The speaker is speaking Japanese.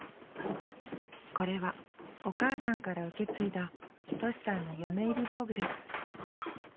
これはお母さんから受け継いだとしさんの嫁入り道具です